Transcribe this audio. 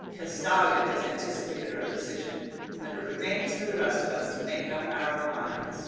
Castalia has anticipated our decision. But it remains for the rest of us to make up our minds."